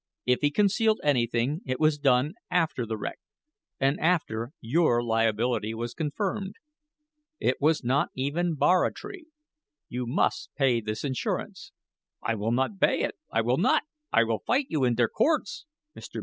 If he concealed anything it was done after the wreck, and after your liability was confirmed. It was not even barratry. You must pay this insurance." "I will not bay it. I will not. I will fight you in der courts." Mr.